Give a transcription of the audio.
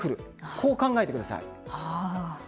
こう考えてください。